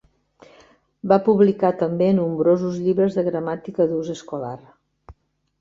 Va publicar també nombrosos llibres de gramàtica d'ús escolar.